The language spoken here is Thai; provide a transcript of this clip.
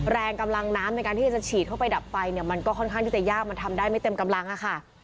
แรงกำลังน้ำในการที่จะฉีดเข้าไปดับไฟเนี่ยมันก็ค่อนข้างที่จะยากมันทำได้ไม่เต็มกำลังอะค่ะ